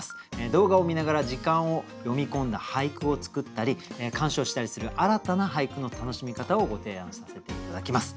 動画を観ながら時間を詠み込んだ俳句を作ったり鑑賞したりする新たな俳句の楽しみ方をご提案させて頂きます。